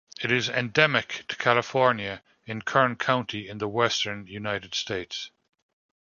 It is endemic to California, in Kern County in the western United States.